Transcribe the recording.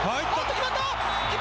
決まった！